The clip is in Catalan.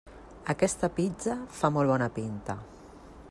Aquesta pizza fa molt bona pinta.